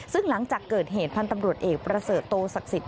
ซึ่งหลังจากเกิดเหตุพันธ์ตำรวจเอกประเสริฐโตศักดิ์สิทธิ